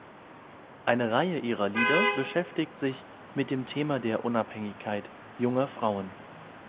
Eine Reihe ihrer Lieder beschäftigt sich mit dem Thema der Unabhängigkeit junger Frauen.